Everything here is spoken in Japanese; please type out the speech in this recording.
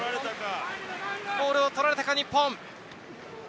ボールを取られたか日本。